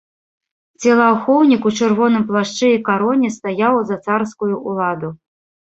Целаахоўнік у чырвоным плашчы і кароне стаяў за царскую ўладу.